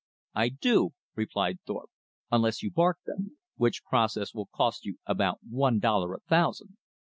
"I do," replied Thorpe, "unless you bark them; which process will cost you about one dollar a thousand.